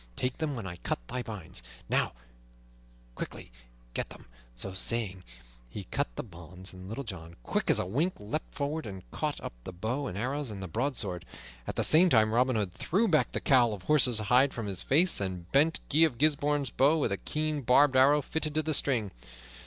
Take them when I cut thy bonds. Now! Get them quickly!" So saying, he cut the bonds, and Little John, quick as a wink, leaped forward and caught up the bow and arrows and the broadsword. At the same time Robin Hood threw back the cowl of horse's hide from his face and bent Guy of Gisbourne's bow, with a keen, barbed arrow fitted to the string.